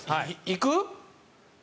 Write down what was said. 行く。